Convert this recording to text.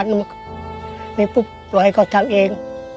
แล้วนี่ปุ๊บเราให้เขาทำเอง